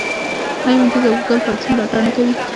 آیا وینډوز او ګوګل فارسي ملاتړ نه کوي؟